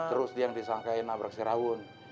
terus dia yang disangkain nabrak si rawun